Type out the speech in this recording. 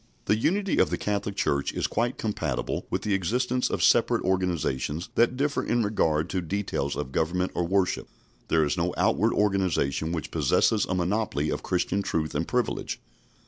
The unity of the Catholic Church is quite compatible with the existence of separate organisations that differ in regard to details of government or worship. There is no outward organisation which possesses a monopoly of Christian truth and privilege.